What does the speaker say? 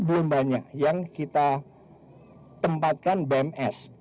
belum banyak yang kita tempatkan bms